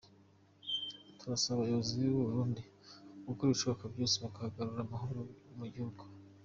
Turasaba abayobozi b’u Burundi gukora ibishoboka byose bakagarura amahoro mu gihugu.